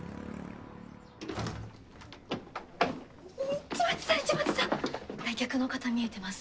市松さん市松さん来客の方見えてます。